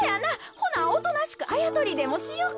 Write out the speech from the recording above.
ほなおとなしくあやとりでもしよか。